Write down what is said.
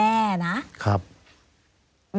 แม้ว่าทางนู้นเขาก็มีพยานตั้งแต่แรกนะคะ